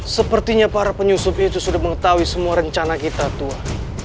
sepertinya para penyusup itu sudah mengetahui semua rencana kita tua